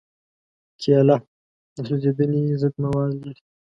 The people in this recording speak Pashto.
کېله د سوځېدنې ضد مواد لري.